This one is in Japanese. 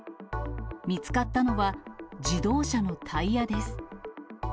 見つかったのは、自動車のタイヤです。